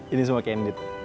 ini semua candid